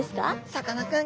「さかなクン